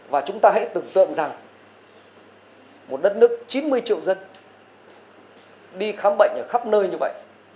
và chúng ta hãy tưởng tượng rằng một đất nước chín mươi triệu dân đi khám bệnh ở khắp nơi như vậy